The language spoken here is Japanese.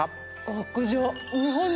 極上。